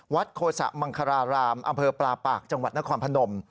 โคสะมังคารารามอำเภอปลาปากจังหวัดนครพนม